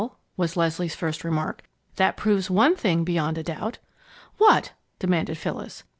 was Leslie's first remark, "that proves one thing beyond a doubt." "What?" demanded Phyllis.